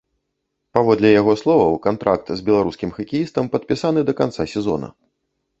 Паводле яго словаў, кантракт з беларускім хакеістам падпісаны да канца сезона.